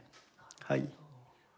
はい。